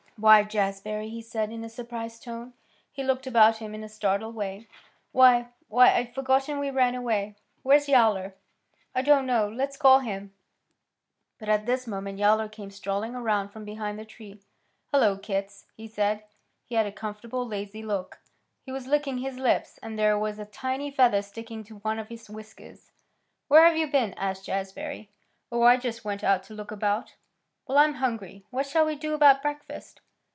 "Why, Jazbury!" he said in a surprised tone. He looked about him in a startled way. "Why why I'd forgotten we ran away. Where's Yowler?" "I don't know. Let's call him." But at this moment Yowler came strolling around from behind the tree. "Hello, kits!" he said. He had a comfortable, lazy look. He was licking his lips, and there was a tiny feather sticking to one of his whiskers. "Where have you been?" asked Jazbury. "Oh, I just went out to look about." "Well, I'm hungry. What shall we do about breakfast?"